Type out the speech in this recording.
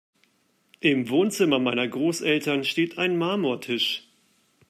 Im Wohnzimmer meiner Großeltern steht ein Marmortisch.